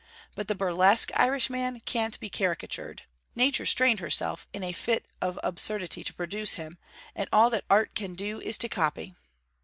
But the burlesque Irishman can't be caricatured. Nature strained herself in a 'fit of absurdity to produce him, and all that Art can do is to copy.'